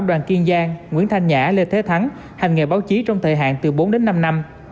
đoàn kiên giang nguyễn thanh nhã lê thế thắng hành nghề báo chí trong thời hạn từ bốn đến năm năm